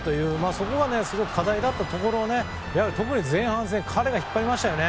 そこがすごく課題だったところを特に前半戦彼が引っ張りましたね。